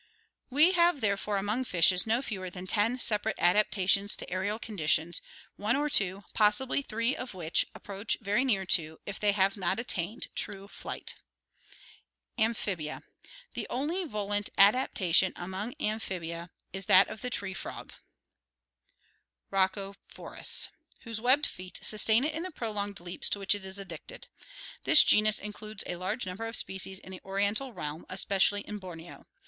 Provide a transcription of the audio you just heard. We have therefore among fishes no fewer than ten separate adaptations to aerial conditions, one or two, possibly three of which approach very near to, if they have not attained, true flight. Amphibia. — The only volant adaptation among amphibia is 353 ORGANIC EVOLUTION that of the tree frog, Rkacophorus (Fig. 83), whose webbed feet sustain it in the prolonged leaps to which it is addicted. This genus includes a large number of species in the Oriental realm, especially in Borneo.